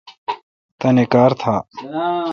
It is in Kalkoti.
تانی کار تھا۔